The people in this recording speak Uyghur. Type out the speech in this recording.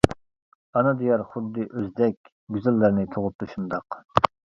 ئانا دىيار خۇددى ئۆزدەك، گۈزەللەرنى تۇغۇپتۇ شۇنداق.